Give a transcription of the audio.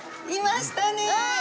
いましたね！